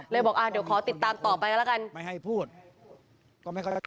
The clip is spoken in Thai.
เลยบอกอ่าเดี๋ยวขอติดตามต่อไปแล้วกัน